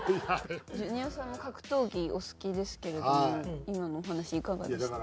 ジュニアさんも格闘技お好きですけれども今のお話いかがでした？